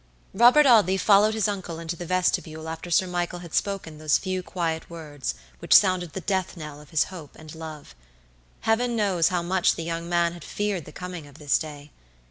Robert Audley followed his uncle into the vestibule after Sir Michael had spoken those few quiet words which sounded the death knell of his hope and love. Heaven knows how much the young man had feared the coming of this day.